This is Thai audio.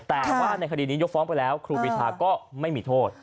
แต่ว่าในคดีนี้ยกฟ้องไปแล้วครูปีชาก็ไม่มีโทษ